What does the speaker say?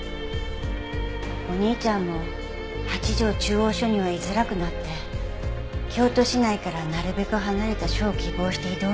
お兄ちゃんも八条中央署にはいづらくなって京都市内からなるべく離れた署を希望して異動に。